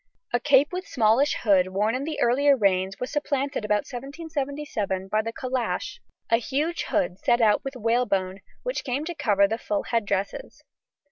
A cape with smallish hood worn in the earlier reigns was supplanted about 1777 by the calash, a huge hood set out with whalebone which came to cover the full head dresses.